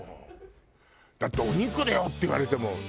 だって「鬼来るよ！」って言われても。